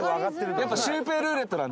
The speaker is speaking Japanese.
やっぱ。